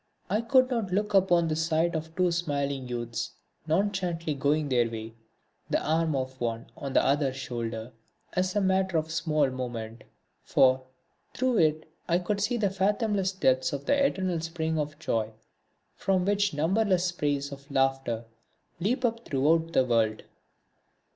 I could not look upon the sight of two smiling youths, nonchalantly going their way, the arm of one on the other's shoulder, as a matter of small moment; for, through it I could see the fathomless depths of the eternal spring of Joy from which numberless sprays of laughter leap up throughout the world.